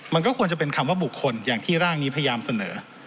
มันก็ควรจะเป็นคำว่าบุคคลอย่างที่ร่างนี้พยายามเสนอ